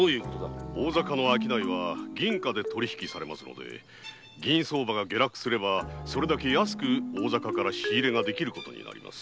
大坂の商いは銀貨で取り引きされますので銀相場が下落すればそれだけ安く大坂から仕入れができることになります。